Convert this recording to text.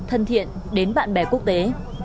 thân thiện đến bạn bè quốc tế